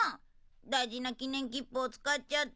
大事な記念キップを使っちゃって。